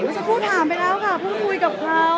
ไม่ใช่พูดถามไปแล้วค่ะเพิ่งพูดกับเขา